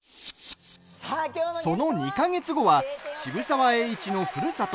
その２か月後は渋沢栄一のふるさと